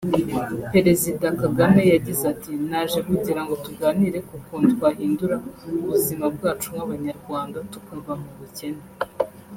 Perezida Kagame yagize ati “Naje kugirango tuganire ku kuntu twahindura ubuzima bwacu nk’abanyarwanda tukava mu bukene